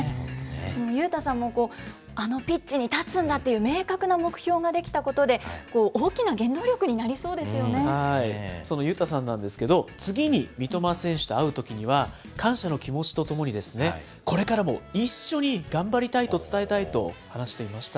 勇太さんも、あのピッチに立つんだっていう明確な目標が出来たことで、大きなその勇太さんなんですけど、次に三笘選手と会うときには、感謝の気持ちとともに、これからも一緒に頑張りたいと伝えたいと話していました。